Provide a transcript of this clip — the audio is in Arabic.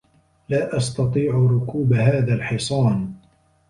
لا أستطيع ركوب هذا الحصان.